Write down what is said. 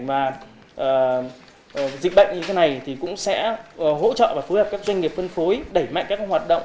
mà dịch bệnh như thế này thì cũng sẽ hỗ trợ và phối hợp các doanh nghiệp phân phối đẩy mạnh các hoạt động